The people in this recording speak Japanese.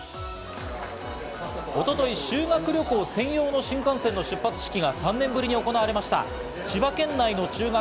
一昨日、修学旅行専用の新幹線の出発式が３年ぶりに行われました。